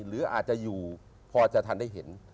หรืออาจจะอยู่พอจะทันได้เห็น